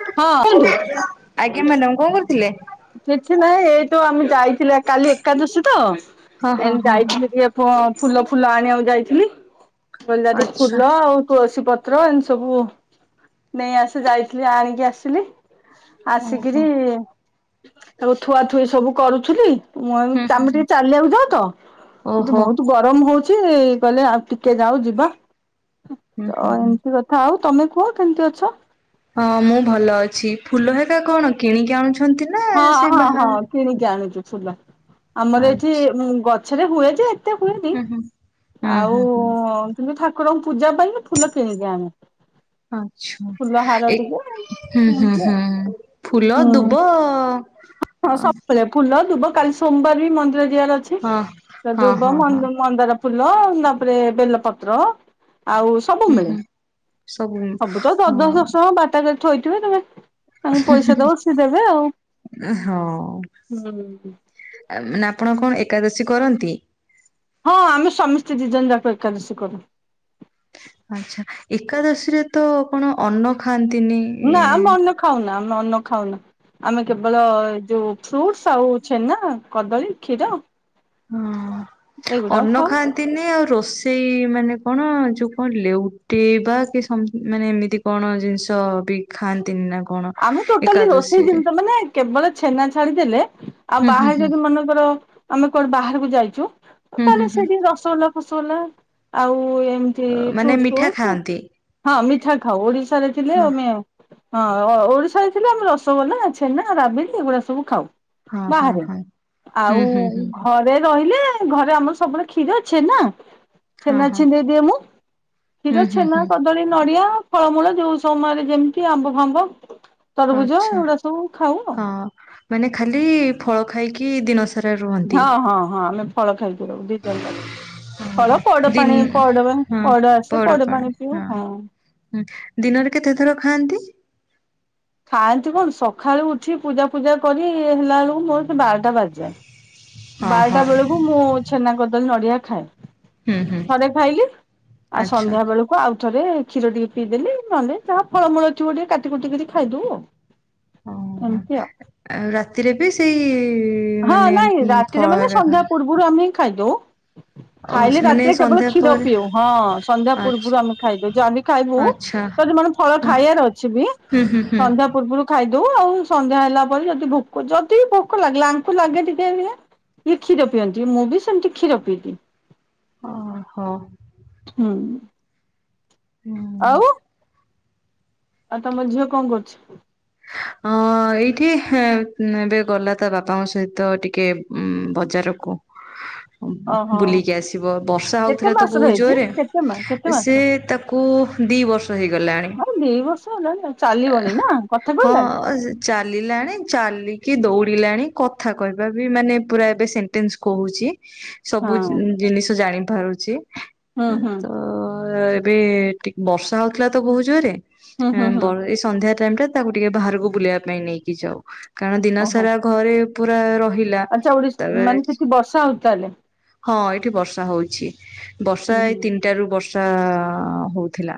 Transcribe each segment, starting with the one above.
[unintelligible] ହଁ କୁହନ୍ତୁ ଆଜ୍ଞା ମ୍ୟାଡ଼ମ କଣ କରୁଥିଲେ? କିଛି ନାହିଁ ଏଇ ତ ଆମେ ଯାଇଥିଲେ କାଲି ଏକାଦଶୀ ତ ହଁ ଏ ହଁ ହଁ ହଁ ଯାଇଥିଲେ ଟିକେ ପ ଫୁଲ ଫୁଲ ଆଣିବାକୁ ଯାଇଥିଲି କନିଆରୀ ଆଚ୍ଛା ଫୁଲ ଆଉ ତୁଳସୀ ପତ୍ର ପତ୍ର ଏମିତି ସବୁ ନେଇ ଆସି ଯାଇଥିଲି ଆଣିକି ଆସିଲି। ଓହୋ ଆସିକିରି। ତାକୁ ଥୁଆ ଥୁଇ ସବୁ କରୁଥିଲି। ଆମେ ହୁଁ ହୁଁ ଟିକେ ଚାଲିବାକୁ ଯାଉତ କିନ୍ତୁ ଓହୋ ବୋହୁତ ଗରମ ହୋଉଚି। ଛି କଲେ ଆଉ ଟିକେ ଯାଉ ଯିବା। ହୁଁ ତ ହୁଁ ହୁଁ। ଏମିତି କଥା ଆଉ। ତମେ କୁହ କେମିତି ଅଛ? ହଁ ମୁଁ ଭଲ ଅଛି, ଫୁଲ ହେ ଏକ କଣ କିଣିକି ଆଣୁ ହଁ ହଁ ହଁ କିଣିକି ଆଣୁଛୁ। ଫୁଲ। ଆମର ଏଠି ଆଚ୍ଛା ଗଛ। ସେଇଟା ହୁଏ ଯେ ଏତେ [inaudible] ହୁଏନି ହୁଁ ହୁଁ ହୁଁ ଆଉ ହୁଁ ହୁଁ କିନ୍ତୁ ଠାକୁରଙ୍କୁ ପୂଜା ପାଇଁ ଫୁଲ କିଣିକି ଆଣେ। ଆଛା ଏ ଟିକେ ହୁଁ ହୁଁ ଏମିତି ଆଉ ହୁଁ ଫୁଲ ହୁଁ ଦୁବ। ହଁ ହଁ। ସବୁବେଳେ ଫୁଲ କାଲି ସୋମବାର ବି ମନ୍ଦିର ଯିବାର ଅଛି ହଁ ଦୁବ ହଁ ହଁ ମନ୍ଦାର ଫୁଲ ତା ପରେ ବେଲପତ୍ର ଆଉ ସବୁ ହୁଁ ମିଳେ, ହୁଁ। [inaudible] ସବୁ ତ ଦଶ ଦଶ ହଁ ଦଶ ବାଟା। ଥୋଇଥିବେ ନେବେ। ତାଙ୍କୁ ପଇସା ଦବ ସେ ଦେବେ। ଆଉ ହଁ ହୁଁ। ମାନେ ଆପଣ କଣ ଏକାଦଶୀ କରନ୍ତି। ହଁ ଆମେ ସମସ୍ତେ ଦିଇ ଜଣ ଯାକ ଏକାଦଶୀ କରୁ। ଆଛା ଏକାଦଶୀରେ ତ ଆପଣ ଅନ୍ନ ଖା ନା ଆମେ ଅନ୍ନ ଖାଉନା। ଅନ୍ନ ଖାଉନା ଆମେ କେବଳ ଯୋଉ ଫ୍ରୁଟ୍ସ୍ ଆଉ ଛେନା, କଦଳୀ, କ୍ଷୀର ହଁ ଏଇଗୁଡାକ ଅନ୍ନ ଖାଉ। ଖାଆନ୍ତିନି, ଆଉ ରୋଷେଇ ମାନେ କଣ ଯୋଉ କଣ ଲେଉଟେଇବା କି ସମ୍ ମାନେ ଏମିତି କଣ ଜିନିଷବି ଖାଆନ୍ତିନି ନାଁ କ ଆମେ ଟୋଟାଲି ରୋଷେଇ ଜିନିଷ ମାନେ କେବଳ ଛେନା ଛାଡିଦେଲେ ଆଉ ହୁଁ ହୁଁ ବାହାରେ ହୁଁ ଯଦି ମନେକର ଆମେ କୁଆଡ଼େ ବାହାରେ କୁ ଯାଇଛୁ ହୁଁ ହୁଁ ତାହେଲେ ହୁଁ ସେଇଠି ରସଗୋଲା ଫସ୍ ସୋଲା ଆଉ ଏ ଏମିତି ମାନେ ଫ୍ରୁଟ୍ସ ମିଠା [unintelligible] ଖାଆନ୍ତି [unintelligible] ଘରେ ଥିଲେ [unintelligible] ହଁ ହଁ ହଁ ଓଡ଼ିଶା ହେଇଥିଲେ ଆମେ ରସଗୋଲା, ଛେନା, ରାବିଡି ଏଗୁଡ଼ା ସବୁ ଖାଉ। ହଁ ହଁ ବାହାରେ ହଁ ହୁଁ ଆଉ ହୁଁ ହୁଁ ଘରେ ରହିଲେ ଘରେ ଆମର ସବୁବେଳେ କ୍ଷୀର, ଛେନା ହଁ ଛେନା ହଁ ଛିଣ୍ଡେଇ ଦିଏ ମୁଁ କ୍ଷୀର ହୁଁ ହୁଁ ଛେନା, ହୁଁ କଦଳୀ, ନଡିଆ ଫଳମୂଳ ଯୋଉ ସମୟରେ ଯେମିତି ଆମ୍ବ ଫାମ୍ବ ତରଭୁଜ ଆଚ୍ଛା ଏଗୁଡା ସବୁ ଖାଉ ଆଉ ହଁ ମାନେ ଖାଲି ଫଳ ଖାଇକି ଦିନ ସାରା ହଁ ରୁହନ୍ତି ହଁ ହଁ ଆମେ ଫଳ ଖାଇକି ରହୁ ଦି ଜଣ ଯାକ ଫଳ ପଇଡ ଦିନ୍ ପାଣି ପଇଡ ପାଣି ହଁ ପଇଡ଼ ଆସେ ପୋଡ଼ ପଇଡ ପଣା ପାଣି ପିଉ ହଁ। ହୁଁ ଦିନରେ କେତେ ଥର ଖାଆନ୍ତି? ଖାଆନ୍ତି କଣ ସକାଳୁ ଉଠି ପୂଜା ଫୂଜା କରି ହେଲା ବେଳକୁ ମୋର ବାରଟା ବାଜିଯାଏ। ହଁ ବାରଟା ହଁ ବେଳକୁ ମୁଁ ଛେନା କରିି କଦଳୀ ନଡ଼ିଆ ଖାଏ। ହୁଁ ହୁଁ ଥରେ ଖାଇଲି ଆଉ ଆଚ୍ଛା ସନ୍ଧ୍ୟା ବେଳକୁ ଆଉ ଥରେ କ୍ଷୀର ଟିକେ ପିଇଦେଲି ନହେଲେ ଯହା ଫଳମୂଳ ଥିବ ଟିକେ କାଟି କୁଟିକିରି ଖାଇଦଉ ଆଉ। ଓଁ ହୋ ଏମିତି ଆଉ ଆଉ ରାତିରେ ବି ସେଇ ହଁ ମାନେ ନାଇଁ ଉଁ, ରାତିରେ ଫଳ ମାନେ ହେକା ସନ୍ଧ୍ୟା ଖାଆନ୍ତି। ପୂର୍ବରୁ ଆମେ ଖାଇଦଉ। ଓ ଖାଇଲେ ମାନେ ରାତିରେ କେବଳ ସନ୍ଧ୍ୟା କ୍ଷୀର ପରେ ପିଉ ହଁ ସନ୍ଧ୍ୟା ଆଛ୍ ପୂର୍ବରୁ ଆମେ ଖାଇଦଉ ଯାହାବି ଖାଇବୁ ଆଚ୍ଛା ଯଦି ମନ ଫଳ ହୁଁ ଖାଇଆର ଅଛି ବି ହୁଁ ହୁଁ। ହୁଁ। ସନ୍ଧ୍ୟା ପୂର୍ବରୁ ଖାଇ ଦଉ ଆଉ ସନ୍ଧ୍ୟା ହେଲା ପରେ ଯଦି ଭୋକ ଯଦି ଭୋକ ଲାଗିଲା ତାକୁ ଲାଗେ ଟିକେ ଇଏ କ୍ଷୀର ପିଅନ୍ତି ମୁଁ ବି ସେମତି କ୍ଷୀର ପିଇଦିଏ। ଓ ହୋ ହୁଁ ହୁଁ। ଆଉ ଆଉ ତମ ଝିଅ କଣ କରୁଛି? ଅ ଏଇଠି ହଁ ଏବେ ଗଲା ତା ବାପାଙ୍କ ସହିତ ଟିକେ ଉ ବଜାରକୁ ଓହୋ ବୁଲିକି ଆସିବ ବର୍ଷା କେତେ ହଉଥିଲା ତ ମାସର ବହୁତ ହେଇଛି ଜୋରେ କେତେ ମା କେତେ ସେ ମାସ? ତାକୁ ଦିବର୍ଷ ହେଇଗଲାଣି। ହଁ ଦି ବର୍ଷ ହେଲାଣି ଚାଲିବଣି ନା କଥା କହିଲାଣି ହଁ ସେ ଚାଲିଲାଣି ଚାଲିକି ଦୌଡ଼ିଲାଣି। କଥା କହିବା ବି ମାନେ ପୁରା ଏବେ ସେଣ୍ଟେନ୍ସ କହୁଛି। ସବୁ ହଁ ଜିନିଷ ଜାଣି ଧରୁଛି। ହୁଁ ହୁଁ ତ ଏବେ ଟି ବର୍ଷା ହଉଥିଲା ତ ବୋହୁତ୍ ଜୋରରେ। ହୁଁ ଆ ହୁଁ ବ ହୁଁ ଏଇ ସନ୍ଧ୍ୟାରେ ଟାଇମ ଦେଖ। ତାକୁ ଟିକେ ବାହାରକୁ ବୁଲେଇବା ପାଇଁ ନେଇକି ଯାଓ। କାରଣ ଦିନ ସାରା ଘରେ ପୁରା ର ଆଛା ଓଡିଶ ମାନେ ସେଠି ବର୍ଷା ହଉଛି ତାହେଲେ? ହଁ ଏଠି ବର୍ଷା ହଉଛି। ବର୍ଷା ହୁଁ ଏ ହୁଁ ତିନିଟା ରୁ ବର୍ଷା ଚା ହେଉଥିଲା।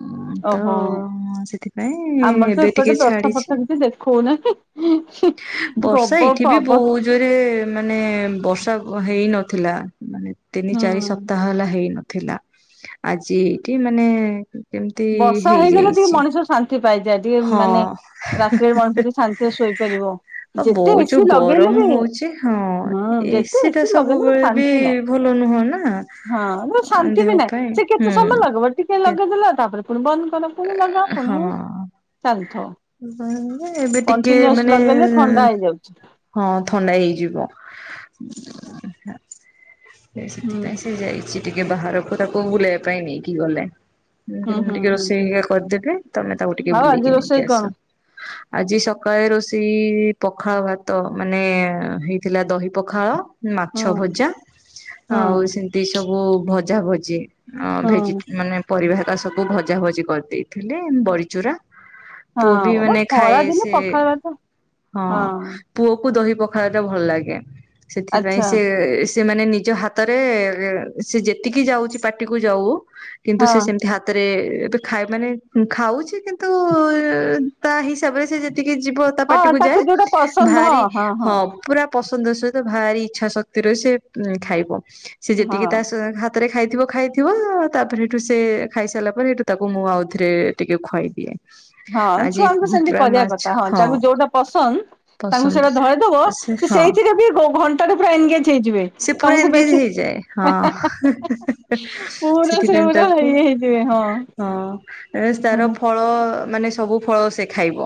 ହ ତ ଓହୋ ହ ସେଥିପାଇଁ ଆମର ତ ଏବେ ଏପଟେ ଟିକେ ବର୍ଷା ଛାଡିଛି ଫର୍ଷା କିଛି ଦେଖଉନାହିଁ ବର୍ଷା ଗବ ଏଇଠି ବି ଫବ ବହୁତ ଜୋରେ ମାନେ ବର୍ଷା ହେଇ ହେଇ ନଥିଲା ମାନେ ତିନି ଚାରି ହୁଁ ସପ୍ତାହ ହେଲା ହେଇନଥିଲା। ଆଜି ଏଇଠି ମାନେ। କେମିତି ବର୍ଷା ହେଇଗଲେ ଟିକେ ହେଇଯାଇଛି। ମଣିଷ ଶାନ୍ତି ଟିକେପାଇଯା ଟିକେ ମାନେ ହଁ। ରାତିରେ ମଣିଷ ଟିକେ ଶାନ୍ତିରେ ଶୋଇପାରିବ ଆଉ ଯେତେ ବହୁତ ଯୋଉ ଏସି ଲଗେଇଲେ ଗରମ ବି ହଉଛି ହଁ ହୁଁ ଯେତେ ଟା ଏସି ଲଗେଇଲେ ବି ସବୁବେଳେ ଶାନ୍ତି ନାହିଁ ଭଲ ନୁହଁ ନା ହଁ ଶାନ୍ତି ଦେହ ବି ନାହିଁ ପାଇଁ ସେ କେତେ ହୁଁ। ସମୟ ଲଗିବ ଟିକେ ଲଗେଇଦଲା ହେଲେ ଫୁଣ ବନ୍ଦ ଚାଲ ପୁଣି ରଜା ପୁଣି ହଁ ଚାଲିଛ। ଏବେ ଟିକେ ମାନେ ଲଗେଇଲେ ଥଣ୍ଡା ହେଇଯାଉଛି ହଁ ଥଣ୍ଡା ହେଇଯିବ। ହା ହୁଁ। ଏ ହୁଁ। ସେଥିପାଇଁ ସେ ଯାଇଛି ଟିକେ। ବାହାରକୁ ତାକୁ ବୁଲେଇ ପାଇଁ ନେଇକି ଗଲେ। ମୁଁ ହୁଁ କହିଲ ମୁଁ ହୁଁ ଟିକେ ହୁଁ ରୋଷେଇ ହେରିକା କରିଦେବେ ତମେ ତାକୁ ଟିକେ ଆଉ ଆଜି ବୁଲେଇକି ନେଇକି ରୋଷେଇ ଆସ। କଣ? ଆଜି ସକାଳେ ରୋଷେଇ ପଖାଳ ଭାତ ତ ମାନେ ହେଇଥିଲା ଦହି ପଖାଳ ମାଛ ହୁଁ ଭଜା ଆଉ ହୁଁ ସେମିତି ସବୁ ମୁ ଭଜା ଭଜି ଅ ଭେଜି ହୁଁ ମାନେ ପରିବା ତା ସବୁ ଭଜା ଭଜି କରିଦେଇଥିଲେ ଏ ବଡିଚୁରା ହଁ ପୁଅ ବି ବାବା ମାନେ ଖରା ଖାଏ ଦିନେ ସେ ପଖାଳ ଭାତ ହଁ। ପୁଅ କୁ ଦହି ପଖାଳ ଟା ଭଲ ଲାଗେ। ସେଥିପାଇଁ ଆଚ୍ଛା ସେ ସେମାନେ ନିଜ ହାତରେ ସେ ଯେତିକି ଯାଉଛି ପାଟିକୁ ଯାଉ କିନ୍ତୁ ହଁ ସେ ସେମିତି ହାତରେ ଏବେ ଖାଇ ମାନେ ଖାଉଛି କିନ୍ତୁ ତା ହିସାବରେ ସେ ତିକି ଯିବ ତା ହଁ ପାଟିକୁ ତାକୁ ଯାଏ ଯୋଉଟା ପସନ୍ଦ ଭାରି ହଁ ହଁ ପୁରା ପସନ୍ଦର ସହିତ ଭାରି ଇଚ୍ଛା ଶକ୍ତି ରହି ସେ ଖାଇବ। ସେ ହଁ ଯେତିକି ତା ସ ହାତ ରେ ଖାଇଥିବ ଖାଇଥିବ ଅ ତାପରେ ହେଠୁ ସେ ଖାଇସାରିଲା ପରେ ହେଠୁ ତାକୁ ମୁଁ ଆଉ ଥରେ ଟିକେ ଖୁଆଇଦିଏ। ହଁ ଆଜି ଛୁଆଙ୍କୁ ସେମିତି ପୁରା କରିବା ମାଛ କଥା ହଁ ତାଙ୍କୁ ଯୋଉଟା ପସନ୍ଦ ତାଙ୍କୁ ପସନ୍ଦ। ସେଇଟା ଧରେଇ ଦବ ସେ ସେଇଥିରେ ବି ଘ ଘଣ୍ଟାରେ ପୁରା ଏନଙ୍ଗେଜ ହେଇଯିବେ ସେ ପୁରା ତମକୁ ଏନଗେଜ ବେଶୀ ହେଇଯାଏ ହଁ ପୁରା ସେ ସେଥିପାଇଁ ପୁରା ଇଏ ତାକୁ ହେଇଯିବେ ହଁ ହଁ। ଅଁ ମାନେ ସବୁ ଫଳ ସେ ଖାଇବ।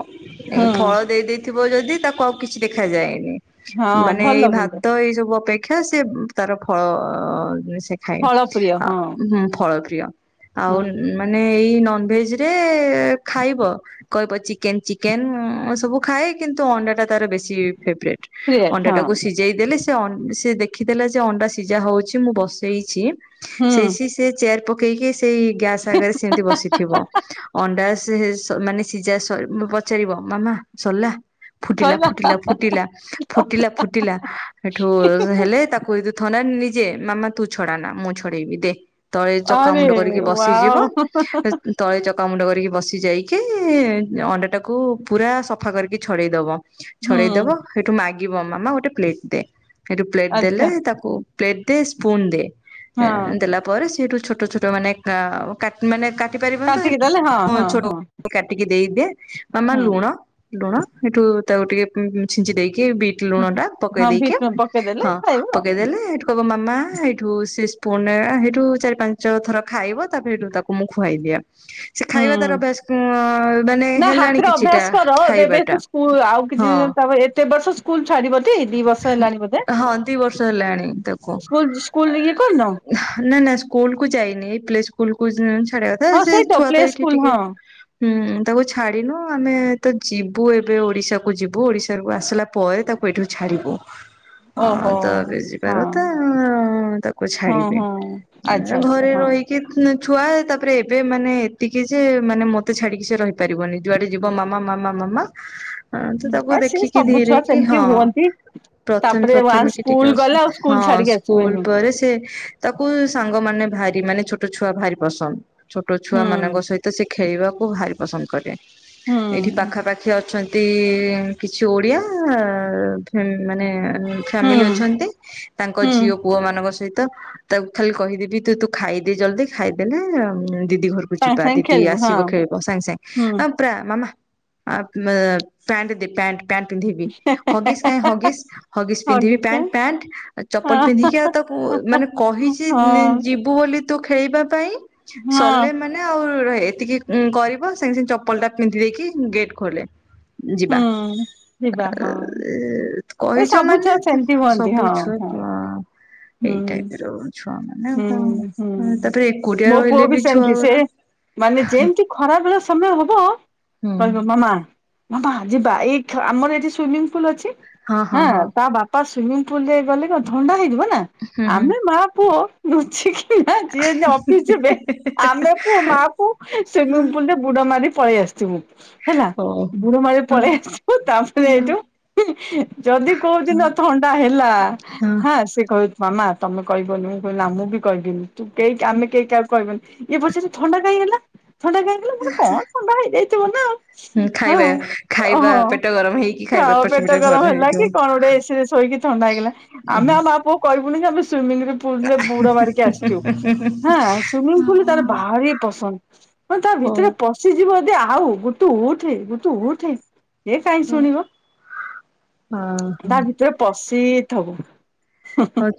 ଫଳ ଦେଇ ଦେଇ ଥିବ ଯଦି ତାକୁ କୁ ଆଉ କିଛି ଦେଖା ଯାଏନି। ହଁ ମାନେ ଏଇ ଭଲ କିନ୍ତୁ ଭାତ ଏଇ ସବୁ ଅପେ କ୍ଷା ସେ ତାର ଫଳ ଅ ନିଶ ସେ ଖାଏ ଫଳ ପ୍ରିୟ ଆ ହଁ ହୁଁ ଫଳ ପ୍ରିୟ ଆଉ ହୁଁ ମାନେ ଏଇ ନ ନ ଭେଜ ରେ ଖାଇବ କହିବ ଚିକେନ ଚିକେନ ସବୁ ଖାଏ। କିନ୍ତୁ ଅଣ୍ଡା ଟା ତାର ବେଶୀ ଫେବୋରାଇଟ। ପ୍ରିୟ ଅଣ୍ଡା ହଁ ଟାକୁ ସିଝେଇ ଦେଲେ ସେ ଆ ସେ ଦେଖିଦେଲା ଯେ ଅଣ୍ଡା ସିଝା ହଉଛି ମୁଁ ବସେଇଛି ହୁଁ ସେସେ ସେ ଚେର ପକେଇ କି ସେଇ ଗ୍ୟାସ୍ ଆଗରେ ସେମିତି ବସିଥିବ, ଅଣ୍ଡା ସେ ମାନେ ସିଝା ସ ପଚାରିବ ମାମା ସରିଲା। ଶଇ ଫୁିଟିଲା ଫୁଟିଲା ଫୁଟିଲା ଫୁଟିଲା ଏଠୁ ହେଲେ ତାକୁ ଥରେ ଯେ ମାମା ତୁ ଛଡା ନା ମୁଁ ଛଡେଇବି ଦେ। ତଳେ ଆରେ ଚକାମୁଣ୍ଡ କରିକି ବସିଯିବ ୱାଓ ତଳେ ଚକାମୁଣ୍ଡ କରିକି ବସି ଯାଇକି ଅଣ୍ଡା ଟାକୁ ପୁରା ସଫା କରିକି ଛଡେଇ ଦବ। ହୁଁ ଛଡେଇଦବ ସେଇଠୁ ମାଗ ଗିବ ମାମା ଗୋଟେ ପ୍ଲେଟ୍ ଦେ। ଏଠୁ ପ୍ଲେଟ ଦେଲେ ଆଚ୍ଛା ତାକୁ ପ୍ଲେଟ ଦେ ସ୍ପୁନ୍ ଦେ ହଁ ଏଁ ଦେଲା ପରେ ସିଏ ହେଠୁ ଛୋଟ ଛୋଟ ମାନେ କା ଓ କାଟ ମାନେ କା କାଟି ପାରିବନି ତ କାଟିକି ଦେଲେ ହଁ ହଁ ଛୋଟ ହଁ କାଟିକି ଦେଇଦିଏ ମାମା ଲୁଣ, ହୁଁ। ଲୁଣ ହେଠୁ ତାକୁ ଟିକେ ହୁଁ ହୁଁ ଛିଞ୍ଚି ଦେଇ କି ବିଟ୍ ଲୁଣ ଟା ପକେଇ ହଁ ଦେଇକି ଭିଟ ପକେଇଦେଲେ ହଁ ଖାଇବ ଆଉ ପକେଇଦେଲେ ହେଠୁ କହିବ ମାମା ହେଇଠୁ ସେ ସ୍ପୁନରେ ହେଇଠୁ ଚାରି ପାଞ୍ଚ ଥର ଖାଇବ ତାପରେ ହେଟୁ ତାକୁ ମୁଁ ଖୁଆଇଦିଏ ସେ ଖାଇବା ହୁଁ। ତାର ଅଭ୍ୟାସ ଅଁ ମାନେ ନା ହେଲାଣି ହାତରେ କିଛିଟା ଖାଇବା ଟା ହଁ କିଛିଦିନ ତା ପରେ ଏତେ ବର୍ଷ ସ୍କୁଲ ଛାଡିବ ଟି ଦି ବର୍ଷ ହେଲାଣି ବୋଧେ ହଁ ଦି ବର୍ଷ ହେଲାଣି ତାକୁ, ସ୍କୁଲ ସ୍କୁଲ ଏଁ ଇଏ କରିନ ନା ନା ସ୍କୁଲ କୁ ଯାଇନି ଏ ପ୍ଲେ ସ୍କୁଲ୍ ସ୍କୁଲକୁ ଯେ ଛାଡିବା କଥା ହଁ ସେ ସେଇ ଛୁଆ ତ ପ୍ଲେ ଏଇଠି ସ୍କୁଲ ଟିକେ ହଁ ହୁଁ ତାକୁ ଛାଡିନୁ ଆମେ ତ ଯିବୁ ଏବେ ଓଡିଶା କୁ ଯିବୁ ଓଡିଶାରୁ ଆସିଲା ପରେ ତାକୁ ଏଠୁ ଛାଡ଼ିବ। ହଁ ଓହୋ ତ ଏବେ ହଁ ଯିବାର ତ ତାକୁ ହଁ ଛାଡିବି ହଁ ଆଚ୍ଛା ଆଚ୍ଛା ଘରେ ହଁ ରହିକି ଛୁଆ ତାପରେ ଏବେ ମାନେ ଏତିକି ଯେ ମାନେ ମତେ ଛାଡିକି ସେ ରହିପାରିବନି ଯୁଆଡେ ଯିବ ମାମା ମାମା ମାମା ହଁ ତ ତାକୁ ଆ ସେ ଦେଖିକି ସବୁ ଧୀରେ ଛୁଆ କି ସେମିତି ହଁ ହୁଅନ୍ତି ପ୍ରଥମେ ତାପରେ ପ୍ରଥମେ ୱାନ୍ସ କି ଟିକେ ସ୍କୁଲ ଅସ ଗଲେ ଆଉ ସ୍କୁଲ ହଁ ଛାଡିକି ସ୍କୁଲ ଆସିବେନି ପରେ ସେ ତାକୁ ସାଙ୍ଗମାନେ ଭାରି ମାନେ ଛୋଟ ଛୁଆ ଭାରି ପସନ୍ଦ। ଛୋଟ ଛୁଆ ହୁଁ ମାନଙ୍କ ସହିତ ସେ ଖେ ଖେଳିବାକୁ ଭାରି ପସନ୍ଦ କରେ। ହୁଁ ଏଇଠି ପାଖାପାଖି ଅଛନ୍ତି ତୀ କିଛି ଓଡିଆ ମାନେ ହୁଁ ଫ୍ୟାମିଲି ଅଛନ୍ତି ତାଙ୍କ ହୁଁ ଝିଅ ପୁଅ ମାନଙ୍କ ସହିତ ତ ତାକୁ ଖାଲି କହିଦେବି ତୁ ଖାଇଦେ ଜଲଦି ଖାଇଦେନା ଦିଦି ଘରକୁ ସାଙ୍ଗେ ଯିବା ସାଙ୍ଗେ ଦିଦି ଖେଳିବୁ ହଁ ଆସିବ ଖେଳିବ ସାଙ୍ଗେ ସାଙ୍ଗେ ହୁଁ ଆ ପୁରା ମାମା ଆ ପେଣ୍ଟ ଦେ ପେଣ୍ଟ ପ୍ୟାଣ୍ଟ ପିନ୍ଧିବି ହଗିସ ହଗିସ ହଗିସ ପିନ୍ଧିବି ହଗିଚ ପ୍ୟାଣ୍ଟ ପ୍ୟାଣ୍ଟ ଚପଲ ହଁ ପିନ୍ଧିକି ଆଉ ମାନେ କହି ହଁ ଯିବୁ ବୋଲି ତୁ ଖେଳଵା ପାଇଁ ହଁ ସଲେ ମାନେ ଆଉ ରହେ ଏତିକି କରିବ ସାଙ୍ଗେ ସାଙ୍ଗେ ଚପଲ ଟା ପିନ୍ଧି ଦେଇକି ଗେଟ୍ ଖୋଲେ। ଯିବା ହୁଁ ଯିବା ହଁ। ଏ କହିଛ ସବୁ ମାନେ ଛୁଆ ସେମିତି ହୁଅନ୍ତି ସବୁ ହଁ ହଁ। ଛୁଆ ଏଇ ହୁଁ ଟାଇପ ର ଛୁଆ ମାନେ ଆଉ ହୁଁ କଣ ହୁଁ ତାପରେ ଏକୁଟିଆ ମୋ ପୁଅ ରହିଲେ ବି ସେମିତି ସେ ଛୁଆଗୁଡା ମାନେ ଯେମିତି ଖରା ସମୟ ହବ କହିବ ମାମା ମାମା ଯିବା ଏଇଥ ଆମର ଏଠି ସ୍ୱିମିଂ ପୁଲ୍ ଅଛି। ହଁ ତା ବାପା ସ୍ୱିମିଂ ପୁଲ ରେ ଗଲେ କଣ ଥଣ୍ଡା ହେଇଯିବ। ଯିବା ହୁଁ ଆମେ ମା ପୁଅ ଲୁଚିକି କିନା ଯିଏ ଯେ ଅଫିସ ଯିବେ ଆମେ ପୁଅ ମା ପୁଅ ସ୍ୱିମିଂ ପୁଲ୍ ରେ ବୁଡ ମାରି ପଳେଇ ଆସୁ। ଯିବୁ। ହଁ, ବୁଡ଼ମାରିକି ପଳେଇ ଆସିବୁ ତାପରେ ଏଇଠୁ ଯଦି କୋଉଁଦିନ ଥଣ୍ଡା ହେଲା ହଉ। ହଁ ସେ କହିଵ ମାମା ତମେ କହିବନି ମୁଁ କହିବନି ମୁଁ ବି କହିବିନି। ତୁ କେହି ଆମେ କେହି କାହାକୁ କହିବନି। ଏ ପଚାରିବ ଥଣ୍ଡା କାଇଁ ହେଲା? ଥଣ୍ଡା କାଇଁ ହେଲା କଣ ଥଣ୍ଡା ହେଇଯାଇଛି। ଥିବ ନାଉ [inaudible] ଖାଇବା ହଁ ଖାଇବା ଓହୋ ପେଟ ଗରମ ହେଇକି ଖାଇବା ଖାଅ ଏପଟ ପେଟ ସେପଟ ଗରମ ଘରେ ହେଲା ହେଇଥିବ। କି କଣ ଗୋଟେ ଏସିରେ ଶୋଇକି ଥଣ୍ଡା ହେଇଗଲା ଆମେ ଆଉ ମା ପୁଅ କହିବୁନି କି ଆମେ ସୁଇମିଙ୍ଗରେ ପୁଲ ରେ ବୁଡ ମାରିକି ଆସିଛୁ ସୁଇମିଙ୍ଗ ପୁଲ ତାର ଭାରି ପସନ୍ଦ ମାନ ତା ହଉ ଭିତରେ ପଶିଯିବ ଆଉ ବୁଟୁ ଉଠେ ତୁ ଉଠେ ହେ କାହିଁ ଶୁଣିବ ହଁ ହଁ ତା ଭିତରେ ପଶ [unintelligible]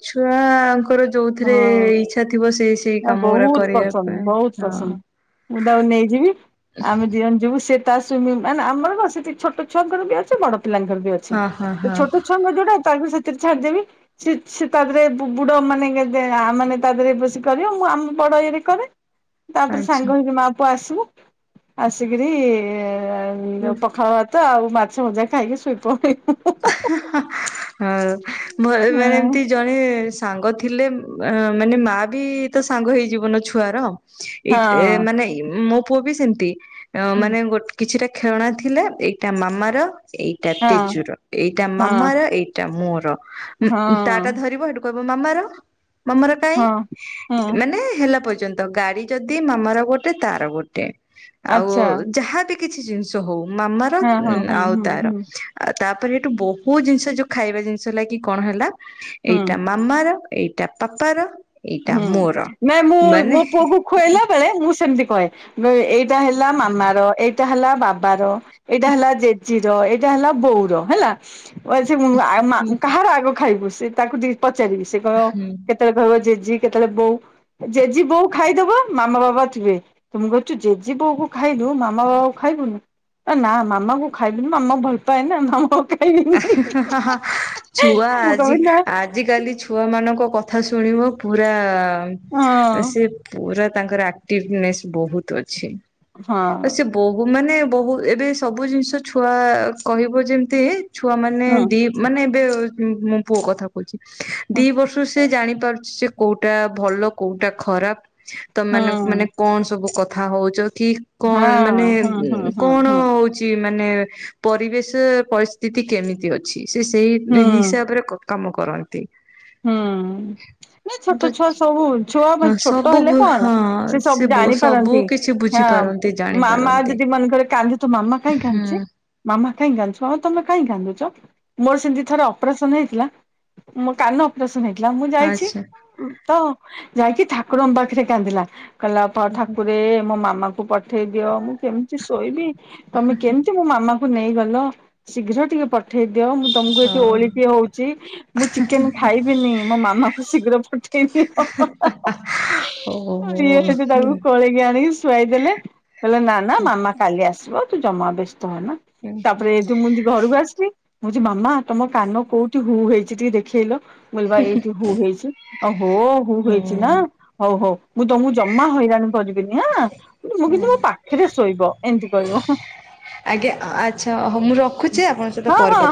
ଛୁଆଙ୍କର ଯୋଉଥିରେ ଇଚ୍ଛା ଥିବ ସେଇ ସେଇ ହ କାମ ଗୁରା ବହୁତ କରିବା ପସନ୍ଦ ପାଇଁ ବହୁତ ହଁ। ପସନ୍ଦ ମୁଁ ତାକୁ ନେଇଯିବି ଆମେ ଦି ଜଣ ଯିବୁ ସେ ତା ସୁଇମିଂ ମାନେ ଆମର ସେଠି ଛୋଟ ଛୁଆଙ୍କର ବି ଅଛି ବଡ ପିଲାଙ୍କର ବି ଅଛି ହଁ ହଁ ତ ହଁ ଛୋଟ ଛୁଆଙ୍କ ଯଉଟା ତାକୁ ସେଥିରେ ଛାଡିଦେବିି ସେ ସେ ତା ଦେହରେ ବୁଡ ମାନେ ମାନେ ତା ଦେହରେ ବ କରିବ ମୁଁ ଆମ ବଡ ଇଏରେ କରେ। ତାପରେ ଆଚ୍ଛା। ସାଙ୍ଗ ହେଇକି ମା ପୁଅ ଆସ ଆସିକିରି ଏରା ଏଇନେ ପଖାଳ ତ ଆଉ ମାଛ ମଜା ଖାଇକି ଶୋଇପଡ଼ିଲି। ହଁ ମ ମାନେ ଏମତି ଜଣେ ସାଙ୍ଗ ଥିଲେ ଅଁ ମାନେ ମା ବି ତ ସାଙ୍ଗ ହେଇଯିବନା ଛୁଆର। ହଁ ଏତ ଏ ହଁ ମାନେ ଇ ମୋ ପୁଅ ବି ସେମତି ଅଁ ମାନେ ଗୋଟ କିଛିଟା ଖେଳଣା ଥିଲେ ଏଇଟା ମାମାର ଏଇଟା ହଁ ତେଜୁର ଏଇଟା ହଁ ମାମାର ଏଇଟା ମୋର ଉଁ ହଁ ଉଁ ତା ଟା ଧରିବ ହେଠୁ କହିବ ମାମାର ମାମାର କାଇଁ ହଁ। ହଁ ମାନେ ହେଲା ପର ପର୍ଯ୍ୟନ୍ତ ଗାଡି ଯଦି ମାମ ର ଗୋଟେ ତାର ଗୋଟେ। ଆଉ ଆଚ୍ଛା ଯାହାବି କିଛି ଜିନିଷ ହଉ ମାମାର ହଁ ହଁ ଉଁ ହୁଁ ଆଉ ହୁଁ ତାର ହୁଁ। ଆ ତାପ- ରେ ଏଠୁ ବହୁତ ଜିନିଷ ଯୋଉ ଖାଇବା ଜିନିଷ ହେଲା କି କଣ ହେଲା ହୁଁ ଏଇଟା ମାମାର ଏଇଟା ପାପାର ଏଇଟା ହୁଁ ମୋର ନାଇଁ ମୁଁ ମାନେ ମୋ ପୁଅକୁ ଖୁଆଇଲା ବେଳେ ମୁଁ ସେମିତି କହେ ଏଇଟା ହେଲା ମାମାର ଏଇଟା ହେଲା ବାବାର ଏଇଟା ହେଲା ଜେଜେ ଣ୍ଟି ର ଏଇଟା ହେଲା ବୋଉର ହେଲା। ଓଏ ସେ ମ ମ ଆ ମା ହୁଁ କାହାର ଆଗ ଖାଇବ ସେ ତାକୁ ଟିକେ ପଚ ପଚାରିବି ସେ କହିବ ହୁଁ। କେତେବେଳେ କହିବ ଯେ କେତେବେଳେ ବୋଉ ଜେଜି ବୋଉ ଖାଇଦବ ମାମା ବାବା ଥିବେ ତ ମୁଁ କହୁଛି ଜେଜେ ବୋଉ କୁ ଖାଇଦବୁ ମାମା ବାବା କ ଖାଇବୁନି ନା ମାମା କୁ ଖାଇବୁନି ମାମାକୁ ଭଲ ପାଏ ନା ମାମାକୁ ଖାଇବିନି ଛୁଆ ମୁଁ ଆଜି କହିବି ନା ଆଜିକାଲି ଛୁଆ ମାନଙ୍କ କଥା କଥା ଶୁଣିବ ପୁରା ହଁ ସେ ସେ ପୁରା ତାଙ୍କର ଆକ୍ଟିଭନେସ୍ ବହୁତ ଅଛି। ଆଉ ସେ ବହୁ ହଁ ମାନେ ବହୁ ଏବେ ସବୁ ଜିନିଷ ଛୁଆ କହିବ ଯେମିତି ଛୁଆ ମାନେ ହଁ ଦି ମାନେ ଏବେ ମୋ ପୁଅ କଥା କ ହୁଚି ହଁ ଦି ବର୍ଷରୁ ସେ ଜାଣି ପାରୁଛି ଯେ କୋଉଟା ଭଲ କୋଉଟା ଖରାପ ତମ ମାନଙ୍କ ହଁ ମାନେ କଣ ସବୁ କଥା କଥା ହଉଚ କି କଣ ହଁ ମାନେ ହୁଁ ହୁଁ ହୁଁ କଣ ହୁଁ ହଉଛି ମାନେ ପରିବେଶ ପରିସ୍ଥିତି କେମିତି ଅଛି। ସେ ସେଇ ହୁଁ ହିସାବରେ କ କାମ କରନ୍ତି। ହୁଁ ନା ଛୋଟ ତ ଛୁଆ ସବୁ ଛୁଆ ହଁ ଛୋଟ ସବୁ ହେଲେ କଣ ହେଲା ହଁ ସେ ସବୁ ସବୁ ଜାଣିପାରନ୍ତି। କିଛି ବୁଝିପାରନ୍ତି ମାମା ଜାଣିପାରନ୍ତି। ଯଦି ମନେକରେ କାନ୍ଦୁଥିବ ମାମା କାଇଁ ହୁଁ କାନ୍ଦୁଛି ମାମା କାହିଁ କାନ୍ଦୁଛୁ ମାମା ତମେ କାହିଁ କାନ୍ଦୁଛ? ମୋର ସେମିତି ଥରେ ଅପରେସନ ହେଇଥିଲା କାନ ଅପରେସନ ପୁଅ ଯାଇଥିଲା ମୁଁ ଯାଇଛି ଆଚ୍ଛା। ତ ଯାଇକି ଠାକୁରଙ୍କ ପାଖରେ କାନ୍ଦିଲା କହିଲା ଠାକୁରେ ମୋ ମାମା ମାମାକୁ ଉଠେଇ ଦିଅ ମୁଁ କେମିତି ଶୋଇବି ତମେ କେମିତି ମୋ ମାମା ନେଇ ଗଲ ଶୀଘ୍ର ଟିକେ ପଠେଇ ପଠେଇ ଦିଅ ମୁଁ ତମକୁ ଏଠି ହଁ ଓଳିକି ହଉଛି ମୁଁ ଚିକ୍ ଚିକେନ ଖାଇବିନି ମୋ ମାମାକୁ ଶୀଘ୍ର ପଠେଇ ଦିଅ ହଉ। ହୁଁ ସିଏ ସେଠି ତାକୁ କଳେଇକି ଆଣି ଶୁଆଇଦେଲେ କହିଲା ନା ନା ମାମା କାଲି ଆସିବ ତୁ ଜମା ବେସ୍ ଧନା ତାପରେ ଯୋଉ ମୁଁ ଜିନ୍ତି ଘରକୁ ଆସିଲି କହୁଛି ମାମା ତମ କାନ କୋଉଠି ହୁ ହେଇଛି ଟିକେ ଦେଖ୍ ଦେଖେଇଲ ମୁଁ କହିଲି ବା ଏଇଠି ହୁ ହେଇଛି ଅ ହୋ ହୁ ହେଇଛି ନା ହଉ ହଉ ମୁଁ ତମକୁ ଜମା ହଇରାଣ କରିବିନି ଆଁ ମୁଁ କିନ୍ତୁ ମୋ ପାଖରେ ଶୋଇବ ଏମତି କହିବ ହଁ ଆଜ୍ଞା ଆଚ୍ଛା ହଉ ମୁଁ ରଖୁଛି ଆପଣଙ୍କ ସହିତ ହଁ ପରେ କଥା ହଁ।